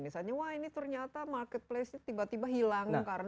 misalnya wah ini ternyata marketplace nya tiba tiba hilang